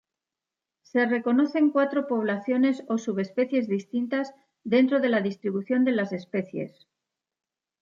Se reconocen cuatro poblaciones o subespecies distintas dentro de la distribución de las especie.